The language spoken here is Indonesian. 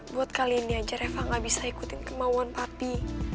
buat kali ini aja reva gak bisa ikutin kemauan papi